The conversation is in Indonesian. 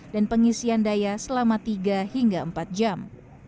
dan pengisian daya selama tiga hingga empat jam